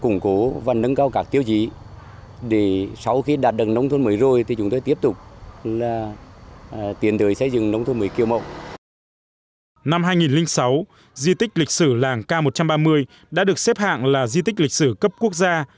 năm hai nghìn sáu di tích lịch sử làng k một trăm ba mươi đã được xếp hạng là di tích lịch sử cấp quốc gia